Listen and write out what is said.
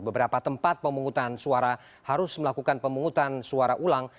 beberapa tempat pemungutan suara harus melakukan pemungutan suara ulang